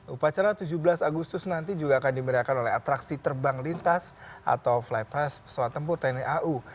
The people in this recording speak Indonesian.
upacara tujuh belas agustus nanti juga akan diberiakan oleh atraksi terbang lintas atau flypass pesawat tempuh tni au